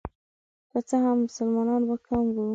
که څه هم مسلمانان به کم وو.